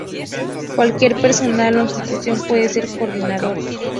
Cualquier persona o institución puede ser coordinador.